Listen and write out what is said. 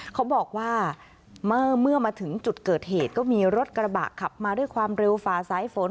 เขาบอกว่าเมื่อมาถึงจุดเกิดเหตุก็มีรถกระบะขับมาด้วยความเร็วฝ่าสายฝน